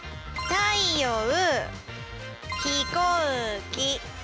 たいよ「う」。